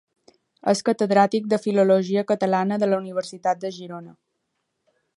És catedràtic de filologia catalana de la Universitat de Girona.